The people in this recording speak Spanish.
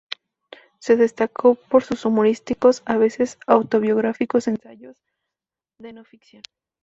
Se destacó por sus humorísticos, a veces autobiográficos ensayos de no ficción.